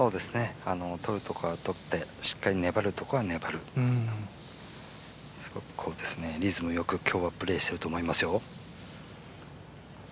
取るところは取ってしっかり守るところは守る、リズムよく今日はプレーしてると思いますよ。